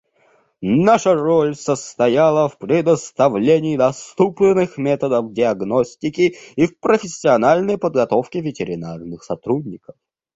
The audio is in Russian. Наша роль состояла в предоставлении доступных методов диагностики и в профессиональной подготовке ветеринарных сотрудников.